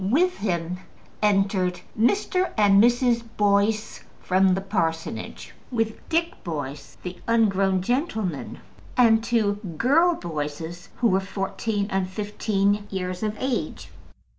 With him entered Mr. and Mrs. Boyce, from the parsonage, with Dick Boyce, the ungrown gentleman, and two girl Boyces, who were fourteen and fifteen years of age.